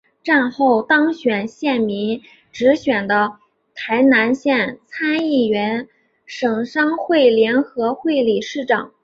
战后当选县民直选的台南县参议员省商会联合会理事长。